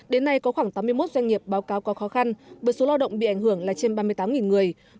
đến nay có khoảng tám mươi một doanh nghiệp báo cáo có khó khăn bởi số lao động bị ảnh hưởng là trên ba mươi tám người